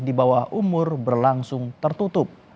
di bawah umur berlangsung tertutup